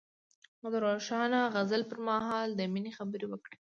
هغه د روښانه غزل پر مهال د مینې خبرې وکړې.